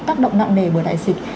tác động nặng nề bởi đại dịch